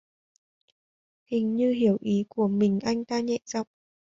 Hình như hiểu ý của mình anh ta nhẹ giọng